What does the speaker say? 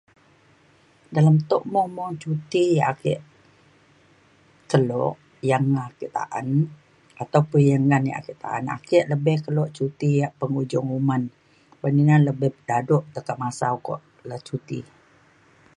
dalem tuk mung mung cuti yak ake kelo yang ake ta’an ataupun yak ngan ake ta’an ake lebih kelo cuti yak penghujung uman ban ina lebih dado tekak masa ukok ala cuti